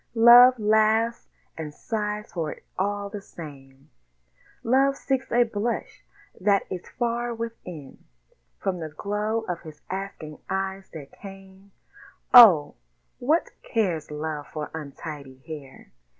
Love laughs and sighs for it all the same; Love seeks a blush that is far within From the glow of his asking eyes that came Oh! what cares Love for untidy hair?